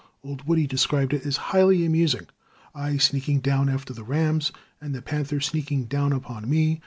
Old Woody described it as highly amusing I sneaking down after the rams, and the panther sneaking down upon me.